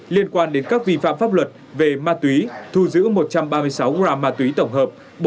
liên quan đến các vi phạm pháp luật về ma túy thu giữ một trăm ba mươi sáu gram ma túy tổng hợp